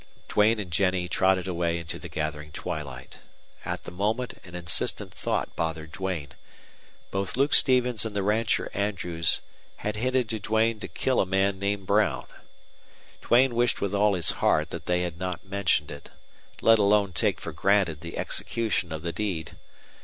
Duane and Jennie trotted away into the gathering twilight. At the moment an insistent thought bothered Duane. Both Luke Stevens and the rancher Andrews had hinted to Duane to kill a man named Brown. Duane wished with all his heart that they had not mentioned it, let alone taken for granted the execution of the deed.